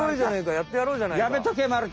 やってやろうじゃないか。